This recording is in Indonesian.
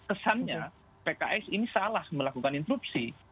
kesannya pks ini salah melakukan instruksi